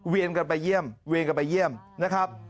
กันไปเยี่ยมเวียนกันไปเยี่ยมนะครับ